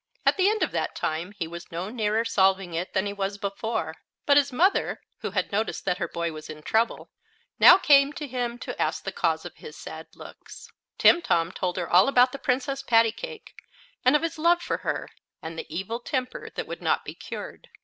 At the end of that time he was no nearer solving it than he was before; but his mother, who had noticed that her boy was in trouble, now came to him to ask the cause of his sad looks. Timtom told her all about the Princess Pattycake, and of his love for her, and the evil temper that would not be cured.